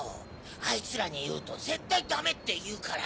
あいつらに言うと絶対ダメって言うから。